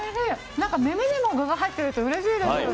なんか耳にも具が入ってるってうれしいですよね。